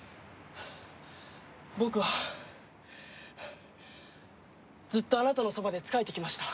僕はずっとあなたのそばで仕えてきました。